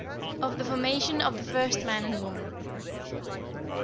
OF THE FORMATION OF THE FIRST MAN AND WOMAN.